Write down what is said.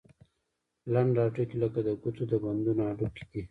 لنډ هډوکي لکه د ګوتو د بندونو هډوکي دي.